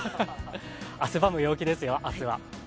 汗ばむ陽気ですよ、明日は。